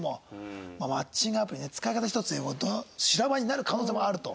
マッチングアプリの使い方ひとつで修羅場になる可能性もあると。